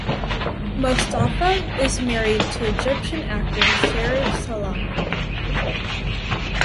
Mostafa is married to Egyptian actor Sherif Salama.